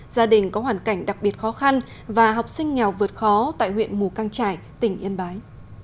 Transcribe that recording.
gia đình có hoàn cảnh đặc biệt khó khăn và học sinh nghèo vượt khó tại huyện mù căng trải tỉnh yên bái